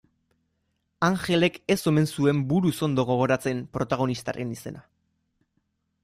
Anjelek ez omen zuen buruz ondo gogoratzen protagonistaren izena.